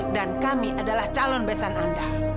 dan kami adalah calon besan anda